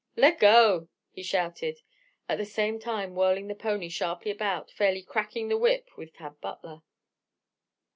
"Leggo!" he shouted, at the same time whirling the pony sharply about, fairly "cracking the whip" with Tad Butler.